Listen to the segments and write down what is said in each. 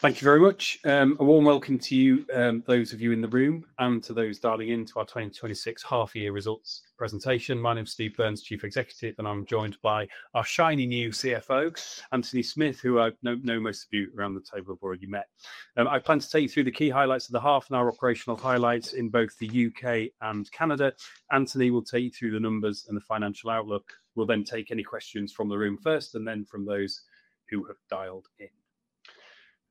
Thank you very much. A warm welcome to those of you in the room and to those dialing in to our 2026 half year results presentation. My name is Stephen Burns, Chief Executive, I'm joined by our shiny new CFO, Antony Smith, who I know most of you around the table have already met. I plan to take you through the key highlights of the half and our operational highlights in both the U.K. and Canada. Antony will take you through the numbers and the financial outlook. We'll take any questions from the room first and then from those who have dialed in.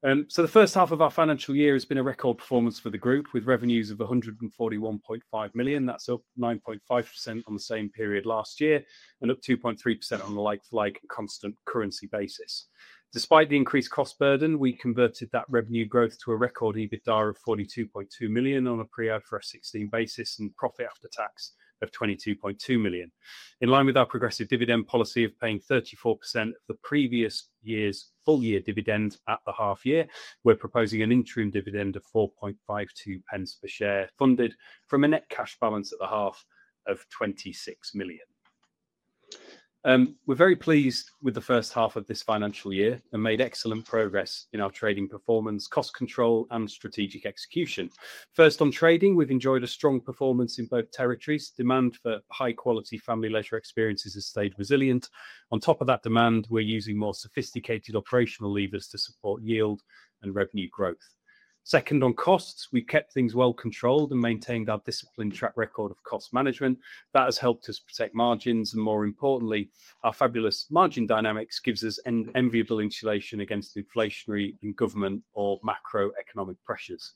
The first half of our financial year has been a record performance for the group with revenues of 141.5 million. That's up 9.5% on the same period last year and up 2.3% on a like for like constant currency basis. Despite the increased cost burden, we converted that revenue growth to a record EBITDA of 42.2 million on a pre-IFRS 16 basis and profit after tax of 22.2 million. In line with our progressive dividend policy of paying 34% of the previous year's full-year dividend at the half year, we're proposing an interim dividend of 0.0452 per share, funded from a net cash balance at the half of 26 million. We're very pleased with the first half of this financial year and made excellent progress in our trading performance, cost control and strategic execution. First, on trading, we've enjoyed a strong performance in both territories. Demand for high quality family leisure experiences has stayed resilient. On top of that demand, we're using more sophisticated operational levers to support yield and revenue growth. Second, on costs, we've kept things well controlled and maintained our disciplined track record of cost management. That has helped us protect margins. More importantly, our fabulous margin dynamics gives us an enviable insulation against inflationary and government or macroeconomic pressures.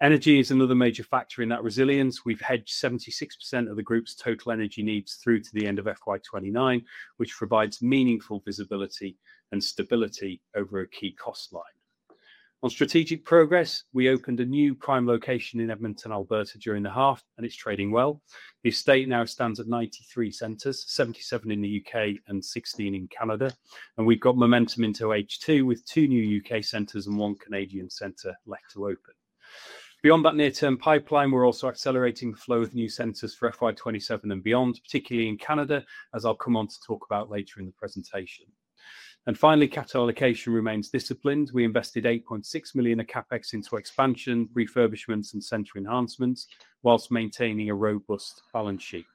Energy is another major factor in that resilience. We've hedged 76% of the group's total energy needs through to the end of FY 2029, which provides meaningful visibility and stability over a key cost line. On strategic progress, we opened a new prime location in Edmonton, Alberta during the half. It's trading well. The estate now stands at 93 centers, 77 in the U.K. and 16 in Canada. We've got momentum into H2 with two new U.K. centers and one Canadian center left to open. Beyond that near term pipeline, we're also accelerating the flow of new centers for FY 2027 and beyond, particularly in Canada, as I'll come on to talk about later in the presentation. Finally, capital allocation remains disciplined. We invested 8.6 million of CapEx into expansion, refurbishments, and center enhancements while maintaining a robust balance sheet.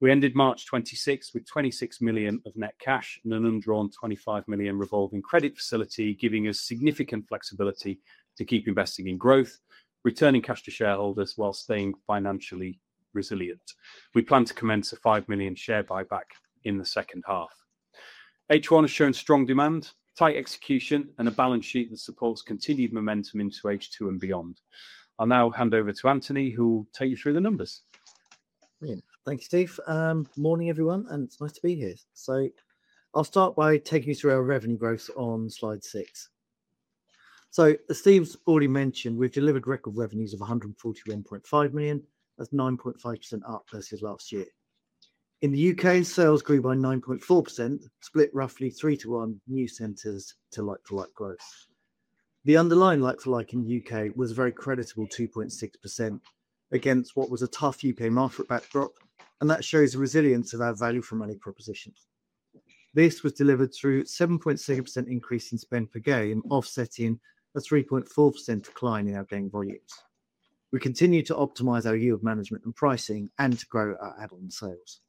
We ended March 2026 with 26 million of net cash and an undrawn 25 million revolving credit facility, giving us significant flexibility to keep investing in growth, returning cash to shareholders while staying financially resilient. We plan to commence a 5 million share buyback in the second half. H1 has shown strong demand, tight execution, and a balance sheet that supports continued momentum into H2 and beyond. I'll now hand over to Antony, who will take you through the numbers. Brilliant. Thank you, Steve. Morning, everyone, and it's nice to be here. I'll start by taking you through our revenue growth on slide six. As Steve's already mentioned, we've delivered record revenues of 141.5 million. That's 9.5% up versus last year. In the U.K., sales grew by 9.4%, split roughly three to one new centers to like-for-like growth. The underlying like-for-like in U.K. was a very creditable 2.6% against what was a tough U.K. market backdrop, and that shows the resilience of our value for money proposition. This was delivered through 7.6% increase in spend per game, offsetting a 3.4% decline in our game volumes. We continue to optimize our yield management and pricing and to grow our add-on sales.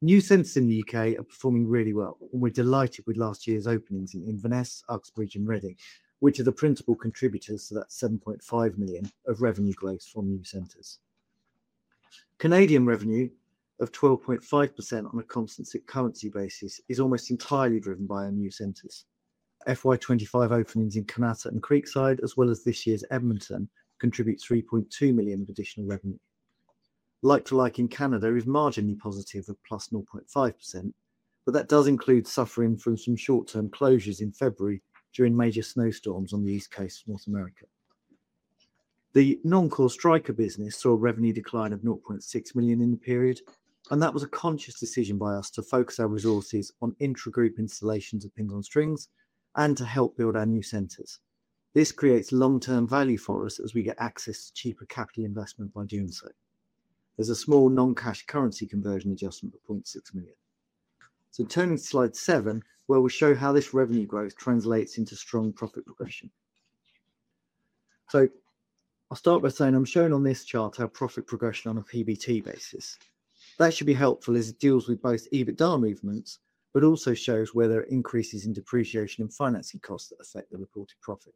New centers in the U.K. are performing really well. We're delighted with last year's openings in Inverness, Uxbridge, and Reading, which are the principal contributors to that 7.5 million of revenue growth from new centers. Canadian revenue of 12.5% on a constant currency basis is almost entirely driven by our new centers. FY 2025 openings in Kanata and Creekside, as well as this year's Edmonton contribute 3.2 million of additional revenue. Like-for-like in Canada is marginally positive at +0.5%. That does include suffering from some short-term closures in February during major snowstorms on the East Coast of North America. The non-core Striker business saw a revenue decline of 0.6 million in the period. That was a conscious decision by us to focus our resources on intra-group installations of Pins on Strings and to help build our new centers. This creates long-term value for us as we get access to cheaper capital investment by doing so. There's a small non-cash currency conversion adjustment of 0.6 million. Turning to slide seven, where we'll show how this revenue growth translates into strong profit progression. I'll start by saying I'm showing on this chart our profit progression on a PBT basis. That should be helpful as it deals with both EBITDA movements, but also shows where there are increases in depreciation and financing costs that affect the reported profit.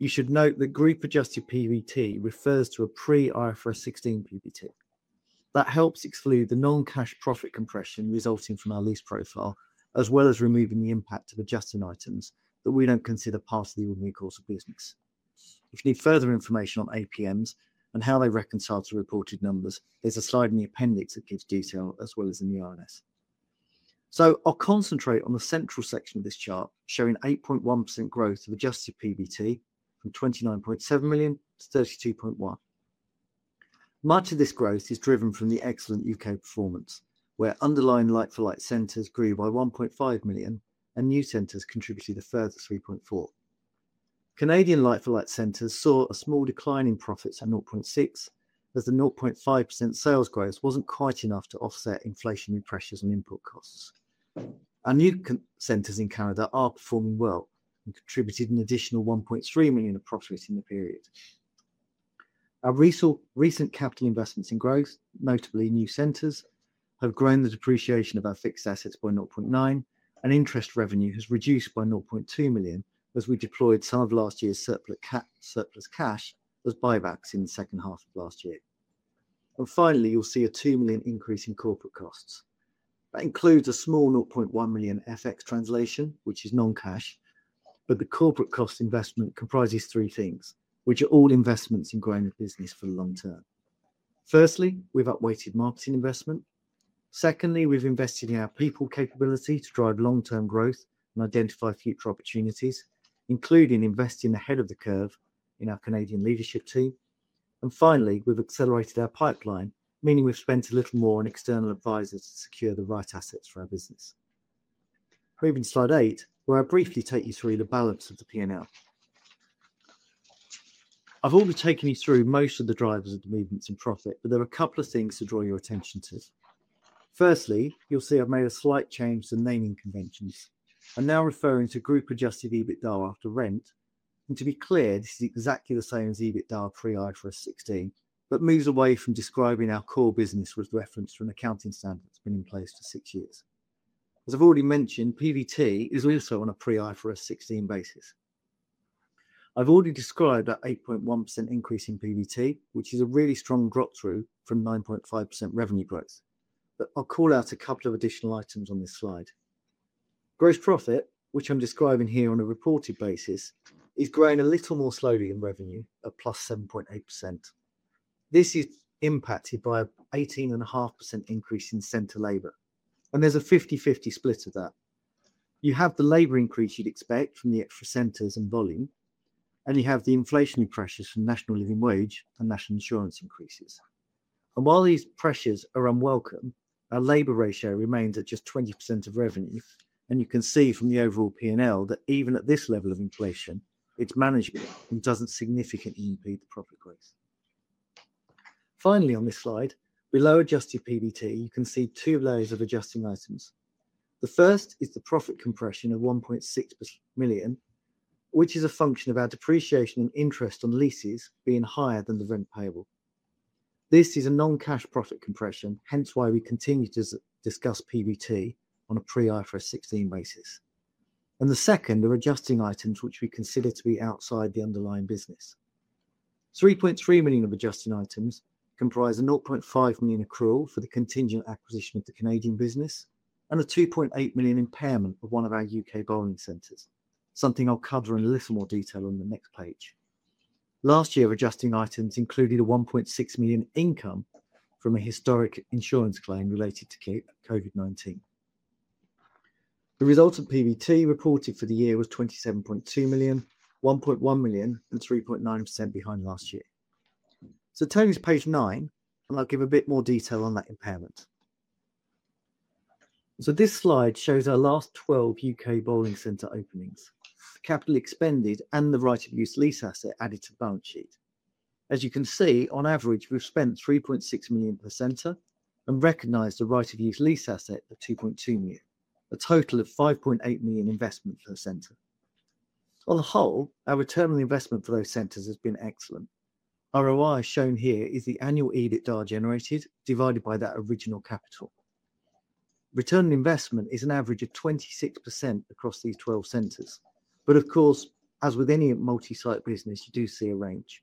You should note that group adjusted PBT refers to a pre IFRS 16 PBT. That helps exclude the non-cash profit compression resulting from our lease profile, as well as removing the impact of adjusting items that we don't consider part of the ordinary course of business. If you need further information on APMs and how they reconcile to reported numbers, there's a slide in the appendix that gives detail as well as in the RNS. I'll concentrate on the central section of this chart, showing 8.1% growth of adjusted PBT from 29.7 million to 32.1. Much of this growth is driven from the excellent U.K. performance, where underlying like-for-like centers grew by 1.5 million and new centers contributed a further 3.4. Canadian like-for-like centers saw a small decline in profits at 0.6 as the 0.5% sales growth wasn't quite enough to offset inflationary pressures on input costs. Our new centers in Canada are performing well and contributed an additional 1.3 million approximately in the period. Our recent capital investments in growth, notably new centers, have grown the depreciation of our fixed assets by 0.9. Interest revenue has reduced by 0.2 million as we deployed some of last year's surplus cash as buybacks in the second half of last year. Finally, you'll see a 2 million increase in corporate costs. That includes a small 0.1 million FX translation, which is non-cash. The corporate cost investment comprises three things, which are all investments in growing the business for the long term. Firstly, we've up-weighted marketing investment. Secondly, we've invested in our people capability to drive long-term growth and identify future opportunities, including investing ahead of the curve in our Canadian leadership team. Finally, we've accelerated our pipeline, meaning we've spent a little more on external advisors to secure the right assets for our business. Moving to slide eight, where I'll briefly take you through the balance of the P&L. I've already taken you through most of the drivers of the movements in profit, but there are a couple of things to draw your attention to. Firstly, you'll see I've made a slight change to the naming conventions. I'm now referring to group-adjusted EBITDA after rent. To be clear, this is exactly the same as EBITDA pre IFRS 16, but moves away from describing our core business with reference to an accounting standard that's been in place for six years. As I've already mentioned, PBT is also on a pre IFRS 16 basis. I've already described that 8.1% increase in PBT, which is a really strong drop-through from 9.5% revenue growth. I'll call out a couple of additional items on this slide. Gross profit, which I'm describing here on a reported basis, is growing a little more slowly than revenue at +7.8%. This is impacted by 18.5% increase in center labor, there's a 50/50 split of that. You have the labor increase you'd expect from the extra centers and volume, you have the inflationary pressures from National Living Wage and National Insurance increases. While these pressures are unwelcome, our labor ratio remains at just 20% of revenue. You can see from the overall P&L that even at this level of inflation, it's manageable and doesn't significantly impede the profit growth. Finally on this slide, below adjusted PBT, you can see two layers of adjusting items. The first is the profit compression of 1.6 million, which is a function of our depreciation and interest on leases being higher than the rent payable. This is a non-cash profit compression, hence why we continue to discuss PBT on a pre IFRS 16 basis. The second are adjusting items which we consider to be outside the underlying business. 3.3 million of adjusting items comprise a 0.5 million accrual for the contingent acquisition of the Canadian business and a 2.8 million impairment of one of our U.K. bowling centers, something I'll cover in a little more detail on the next page. Last year, adjusting items included a 1.6 million income from a historic insurance claim related to COVID-19. The result of PBT reported for the year was 27.2 million, 1.1 million, and 3.9% behind last year. Turning to page nine, I'll give a bit more detail on that impairment. This slide shows our last 12 U.K. bowling center openings, CapEx expended, and the right of use lease asset added to the balance sheet. As you can see, on average, we've spent 3.6 million per center and recognized a right of use lease asset of 2.2 million. A total of 5.8 million investment per center. On the whole, our return on investment for those centers has been excellent. ROI shown here is the annual EBITDA generated, divided by that original capital. Return on investment is an average of 26% across these 12 centers. Of course, as with any multi-site business, you do see a range.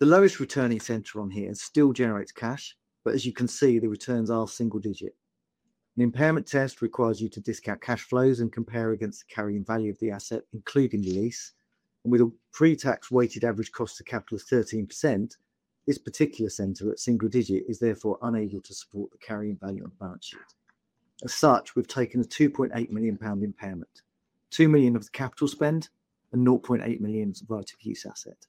The lowest returning center on here still generates cash, but as you can see, the returns are single digit. An impairment test requires you to discount cash flows and compare against the carrying value of the asset, including the lease. With a pre-tax weighted average cost of capital of 13%, this particular center at single digit is therefore unable to support the carrying value on the balance sheet. As such, we've taken a 2.8 million pound impairment, 2 million of the capital spend and 0.8 million of right of use asset.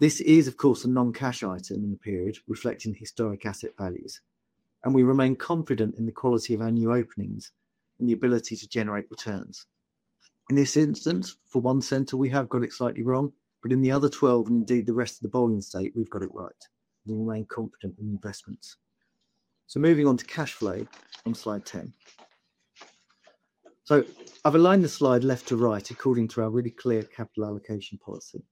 This is, of course, a non-cash item in the period reflecting historic asset values, and we remain confident in the quality of our new openings and the ability to generate returns. In this instance, for one center, we have got it slightly wrong, but in the other 12 and indeed the rest of the bowling estate, we've got it right. We remain confident in the investments. Moving on to cash flow on slide 10. I've aligned the slide left to right according to our really clear capital allocation policy.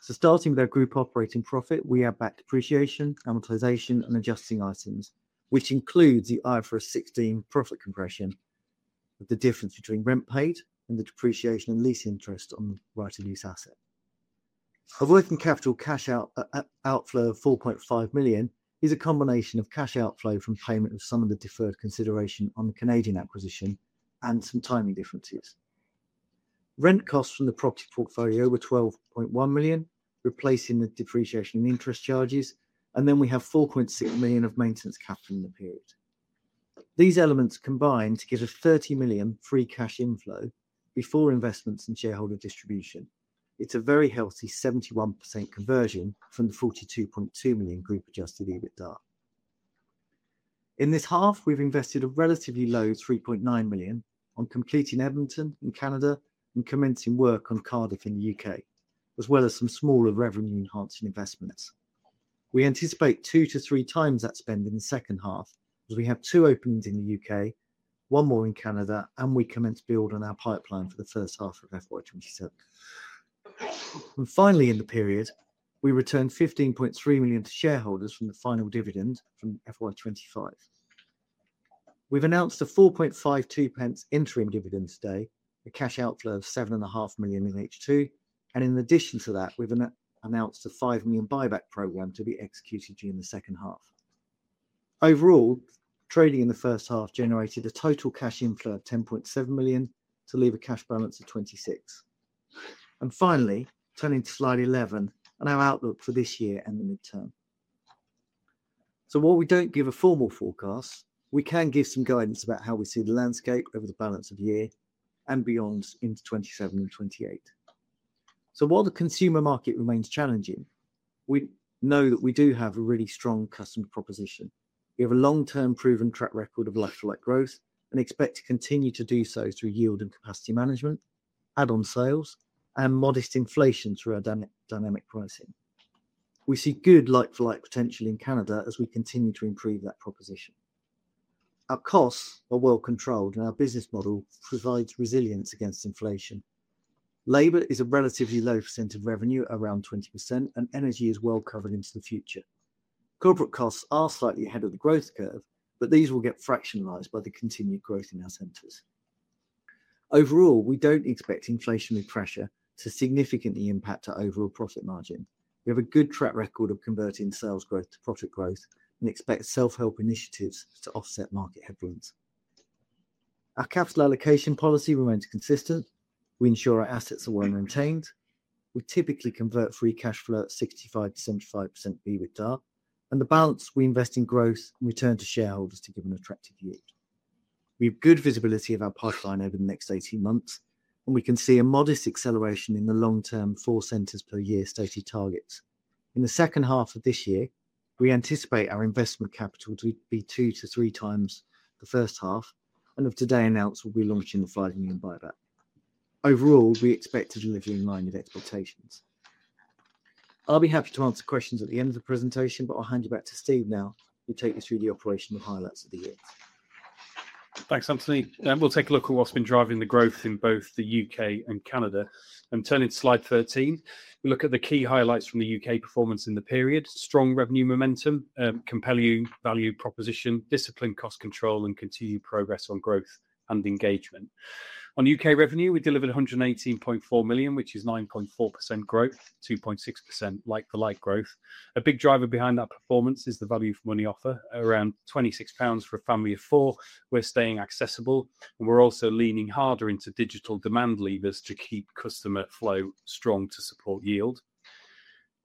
Starting with our group operating profit, we add back depreciation, amortization, and adjusting items, which includes the IFRS 16 profit compression of the difference between rent paid and the depreciation and lease interest on the right of use asset. A working capital cash outflow of 4.5 million is a combination of cash outflow from payment of some of the deferred consideration on the Canadian acquisition and some timing differences. Rent costs from the property portfolio were 12.1 million, replacing the depreciation and interest charges, we have 4.6 million of maintenance capital in the period. These elements combine to give a 30 million free cash inflow before investments in shareholder distribution. It's a very healthy 71% conversion from the 42.2 million group-adjusted EBITDA. In this half, we've invested a relatively low 3.9 million on completing Edmonton in Canada and commencing work on Cardiff in the U.K., as well as some smaller revenue-enhancing investments. We anticipate two to three times that spend in the second half, as we have two openings in the U.K., one more in Canada, and we commence build on our pipeline for the first half of FY 2027. Finally, in the period, we returned 15.3 million to shareholders from the final dividend from FY 2025. We've announced a 0.0452 interim dividend today, a cash outflow of 7.5 million in H2. In addition to that, we've announced a 5 million buyback program to be executed during the second half. Overall, trading in the first half generated a total cash inflow of 10.7 million to leave a cash balance of 26. Finally, turning to slide 11 on our outlook for this year and the midterm. While we don't give a formal forecast, we can give some guidance about how we see the landscape over the balance of year and beyond into FY 2027 and FY 2028. While the consumer market remains challenging, we know that we do have a really strong customer proposition. We have a long-term proven track record of like-for-like growth and expect to continue to do so through yield and capacity management, add-on sales, and modest inflation through our dynamic pricing. We see good like-for-like potential in Canada as we continue to improve that proposition. Our costs are well controlled and our business model provides resilience against inflation. Labor is a relatively low % of revenue, around 20%, and energy is well covered into the future. Corporate costs are slightly ahead of the growth curve, but these will get fractionalized by the continued growth in our centers. Overall, we don't expect inflationary pressure to significantly impact our overall profit margin. We have a good track record of converting sales growth to profit growth and expect self-help initiatives to offset market headwinds. Our capital allocation policy remains consistent. We ensure our assets are well maintained. We typically convert free cash flow at 65%-75% EBITDA, and the balance we invest in growth and return to shareholders to give an attractive yield. We have good visibility of our pipeline over the next 18 months, and we can see a modest acceleration in the long term, four centers per year stated targets. In the second half of this year, we anticipate our investment capital to be two to three times the first half and as of today announced we'll be launching the GBP 5 million buyback. Overall, we expect to deliver in line with expectations. I'll be happy to answer questions at the end of the presentation, but I'll hand you back to Steve now, who'll take you through the operational highlights of the year. Thanks, Antony. We'll take a look at what's been driving the growth in both the U.K. and Canada. Turning to slide 13, we look at the key highlights from the U.K. performance in the period. Strong revenue momentum, compelling value proposition, disciplined cost control, and continued progress on growth and engagement. On U.K. revenue, we delivered 118.4 million, which is 9.4% growth, 2.6% like-for-like growth. A big driver behind that performance is the value for money offer. Around 26 pounds for a family of four. We're staying accessible, and we're also leaning harder into digital demand levers to keep customer flow strong to support yield.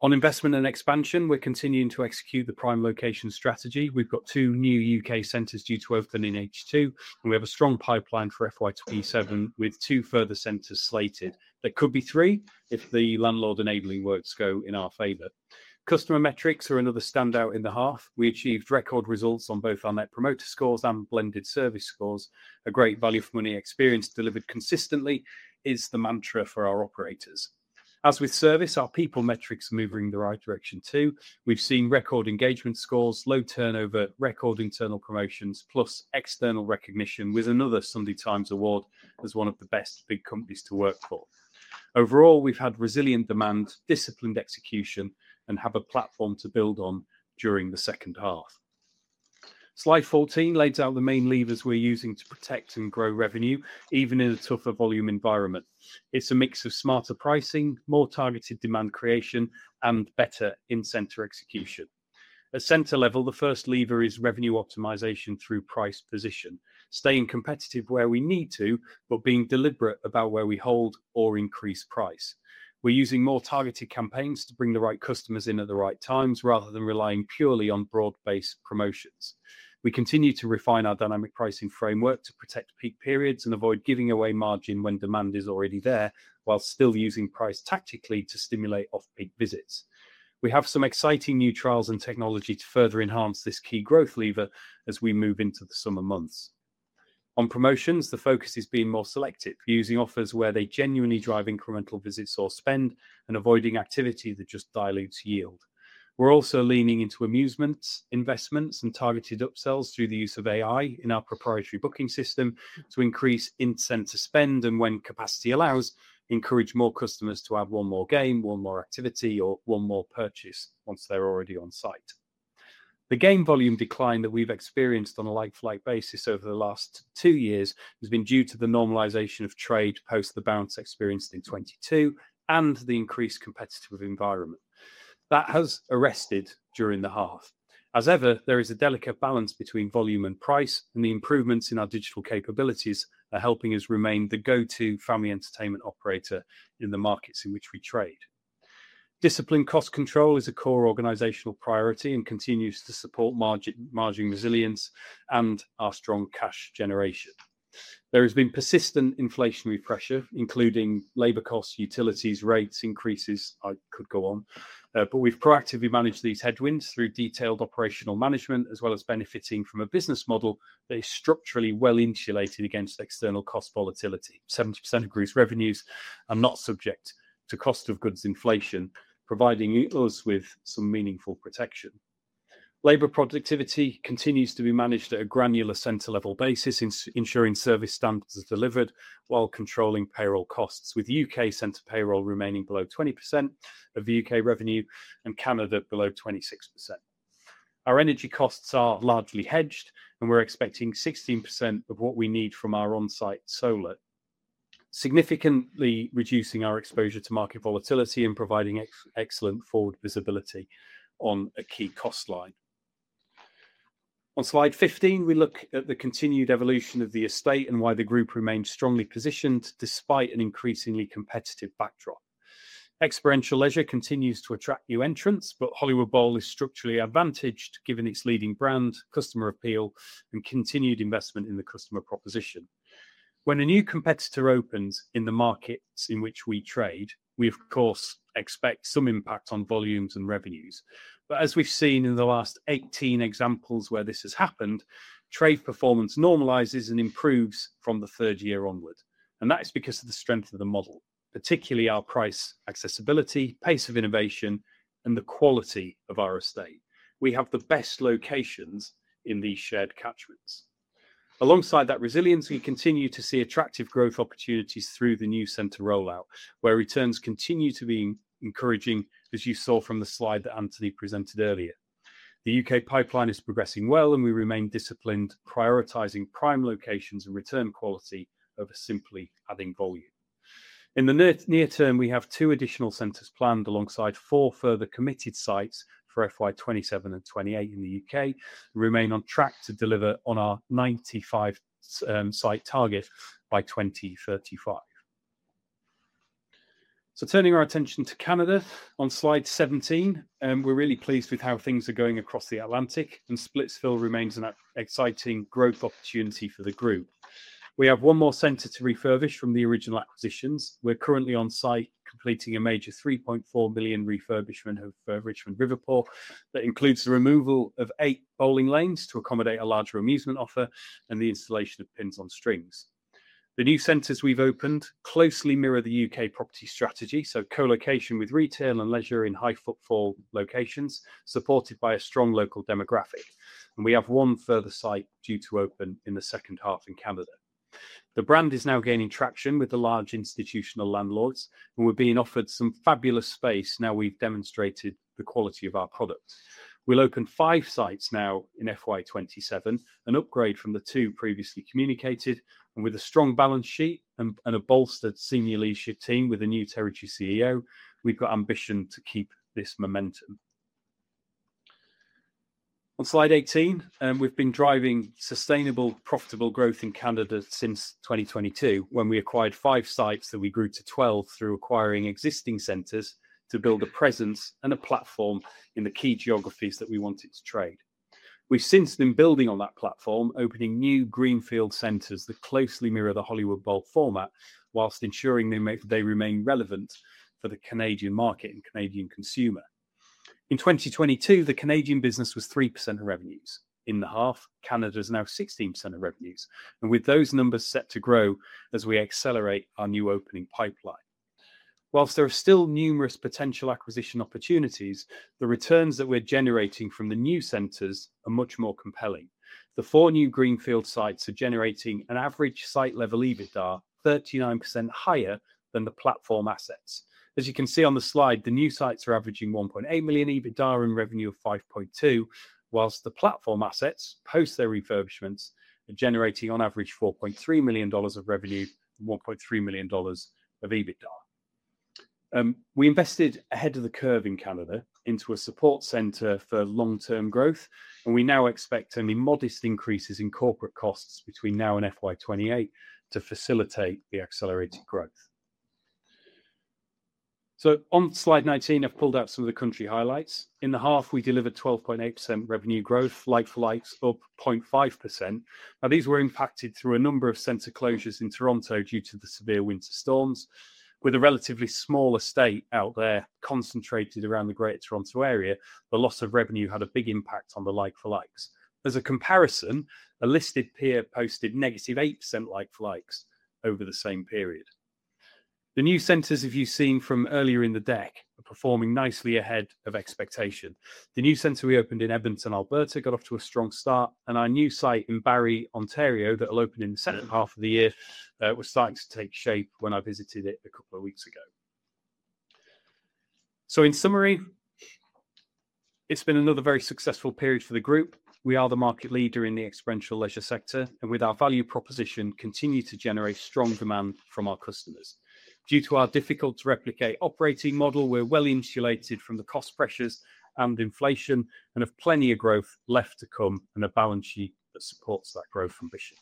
On investment and expansion, we're continuing to execute the prime location strategy. We've got two new U.K. centers due to open in H2, and we have a strong pipeline for FY 2027 with two further centers slated. That could be three if the landlord enabling works go in our favor. Customer metrics are another standout in the half. We achieved record results on both our Net Promoter Score and blended service scores. A great value for money experience delivered consistently is the mantra for our operators. As with service, our people metrics are moving in the right direction, too. We've seen record engagement scores, low turnover, record internal promotions, plus external recognition with another The Sunday Times award as one of the best big companies to work for. Overall, we've had resilient demand, disciplined execution, and have a platform to build on during the second half. Slide 14 lays out the main levers we're using to protect and grow revenue, even in a tougher volume environment. It's a mix of smarter pricing, more targeted demand creation, and better in-center execution. At center level, the first lever is revenue optimization through price position, staying competitive where we need to but being deliberate about where we hold or increase price. We're using more targeted campaigns to bring the right customers in at the right times, rather than relying purely on broad-based promotions. We continue to refine our dynamic pricing framework to protect peak periods and avoid giving away margin when demand is already there, while still using price tactically to stimulate off-peak visits. We have some exciting new trials and technology to further enhance this key growth lever as we move into the summer months. On promotions, the focus is being more selective, using offers where they genuinely drive incremental visits or spend and avoiding activity that just dilutes yield. We're also leaning into amusements, investments, and targeted upsells through the use of AI in our proprietary booking system to increase in-center spend and, when capacity allows, encourage more customers to add one more game, one more activity, or one more purchase once they're already on site. The game volume decline that we've experienced on a like-for-like basis over the last two years has been due to the normalization of trade post the bounce experienced in 2022 and the increased competitive environment. That has arrested during the half. As ever, there is a delicate balance between volume and price, and the improvements in our digital capabilities are helping us remain the go-to family entertainment operator in the markets in which we trade. Disciplined cost control is a core organizational priority and continues to support margin resilience and our strong cash generation. There has been persistent inflationary pressure, including labor costs, utilities, rates increases. I could go on. We've proactively managed these headwinds through detailed operational management, as well as benefiting from a business model that is structurally well-insulated against external cost volatility. 70% of Group's revenues are not subject to cost of goods inflation, providing us with some meaningful protection. Labor productivity continues to be managed at a granular center level basis, ensuring service standards are delivered while controlling payroll costs. With U.K. center payroll remaining below 20% of the U.K. revenue and Canada below 26%. Our energy costs are largely hedged, and we're expecting 16% of what we need from our onsite solar. Significantly reducing our exposure to market volatility and providing excellent forward visibility on a key cost line. On slide 15, we look at the continued evolution of the estate and why the group remains strongly positioned despite an increasingly competitive backdrop. Experiential leisure continues to attract new entrants, but Hollywood Bowl is structurally advantaged given its leading brand, customer appeal, and continued investment in the customer proposition. When a new competitor opens in the markets in which we trade, we of course expect some impact on volumes and revenues. As we've seen in the last 18 examples where this has happened, trade performance normalizes and improves from the third year onward. That is because of the strength of the model, particularly our price accessibility, pace of innovation, and the quality of our estate. We have the best locations in these shared catchments. Alongside that resilience, we continue to see attractive growth opportunities through the new center rollout, where returns continue to be encouraging, as you saw from the slide that Antony presented earlier. The U.K. pipeline is progressing well, and we remain disciplined, prioritizing prime locations and return quality over simply adding volume. In the near term, we have two additional centers planned alongside four further committed sites for FY 2027 and FY 2028 in the U.K. We remain on track to deliver on our 95 site target by 2035. Turning our attention to Canada on slide 17. We're really pleased with how things are going across the Atlantic, and Splitsville remains an exciting growth opportunity for the group. We have one more center to refurbish from the original acquisitions. We're currently on site completing a major 3.4 million refurbishment of Richmond Riverport that includes the removal of eight bowling lanes to accommodate a larger amusement offer and the installation of Pins on Strings. The new centers we've opened closely mirror the U.K. property strategy, so co-location with retail and leisure in high footfall locations, supported by a strong local demographic. We have one further site due to open in the second half in Canada. The brand is now gaining traction with the large institutional landlords, and we're being offered some fabulous space now we've demonstrated the quality of our product. We'll open five sites now in FY 2027, an upgrade from the two previously communicated, and with a strong balance sheet and a bolstered senior leadership team with a new territory CEO, we've got ambition to keep this momentum. On slide 18, we've been driving sustainable, profitable growth in Canada since 2022, when we acquired five sites that we grew to 12 through acquiring existing centers to build a presence and a platform in the key geographies that we wanted to trade. We've since been building on that platform, opening new greenfield centers that closely mirror the Hollywood Bowl format whilst ensuring they remain relevant for the Canadian market and Canadian consumer. In 2022, the Canadian business was 3% of revenues. In the half, Canada is now 16% of revenues. With those numbers set to grow as we accelerate our new opening pipeline. Whilst there are still numerous potential acquisition opportunities, the returns that we're generating from the new centers are much more compelling. The four new greenfield sites are generating an average site level EBITDA 39% higher than the platform assets. As you can see on the slide, the new sites are averaging 1.8 million EBITDA and revenue of 5.2 million, whilst the platform assets, post their refurbishments, are generating on average 4.3 million dollars of revenue and 1.3 million dollars of EBITDA. We invested ahead of the curve in Canada into a support center for long-term growth. We now expect only modest increases in corporate costs between now and FY 2028 to facilitate the accelerated growth. On slide 19, I've pulled out some of the country highlights. In the half, we delivered 12.8% revenue growth, like for likes up 0.5%. These were impacted through a number of center closures in Toronto due to the severe winter storms. With a relatively small estate out there concentrated around the Greater Toronto Area, the loss of revenue had a big impact on the like for likes. As a comparison, a listed peer posted negative 8% like for likes over the same period. The new centers you've seen from earlier in the deck are performing nicely ahead of expectation. The new center we opened in Edmonton, Alberta got off to a strong start, and our new site in Barrie, Ontario, that will open in the second half of the year, was starting to take shape when I visited it a couple of weeks ago. In summary, it's been another very successful period for the group. We are the market leader in the experiential leisure sector, and with our value proposition, continue to generate strong demand from our customers. Due to our difficult to replicate operating model, we're well insulated from the cost pressures and inflation and have plenty of growth left to come and a balance sheet that supports that growth ambition.